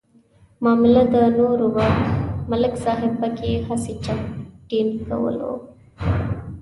معامله د نور وه ملک صاحب پکې هسې چک ډینک کولو.